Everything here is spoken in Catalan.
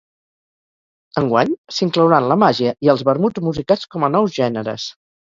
Enguany, s'inclouran la màgia i els vermuts musicats com a nous gèneres.